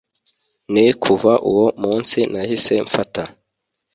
ni kuva uwo munsi nahise mfata